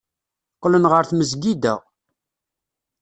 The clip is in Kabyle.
Qqlen ɣer tmesgida.